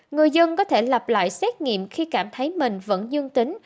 người dân có thể lặp lại xét nghiệm khi cảm thấy mình vẫn dương tính